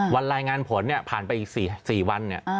วันรายงานผลผ่านไปอีก๔วัน